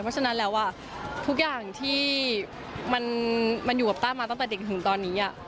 เพราะฉะนั้นแล้วทุกอย่างที่มันอยู่กับต้ามาตั้งแต่เด็กถึงตอนนี้